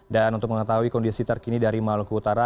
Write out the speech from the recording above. dan untuk mengetahui kondisi terkini dari maluku utara